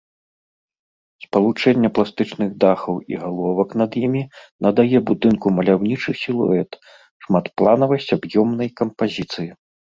Спалучэнне пластычных дахаў і галовак над імі надае будынку маляўнічы сілуэт, шматпланавасць аб'ёмнай кампазіцыі.